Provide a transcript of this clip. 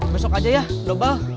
besok aja ya dobel